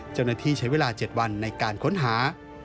เจ้าหน้าที่ใช้เวลา๗วันในการค้นหา